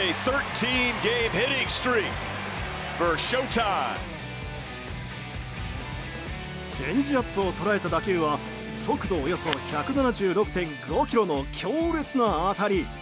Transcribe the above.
チェンジアップを捉えた打球は速度およそ１７６．５キロの強烈な当たり！